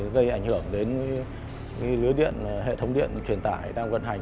gây ảnh hưởng đến lưới điện hệ thống điện truyền tải đang vận hành